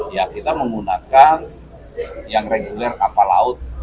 ya kita menggunakan yang reguler kapal laut